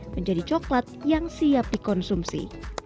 menjadi coklat yang siap dikonsumsi